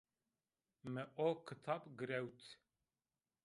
Mi o kitab girewt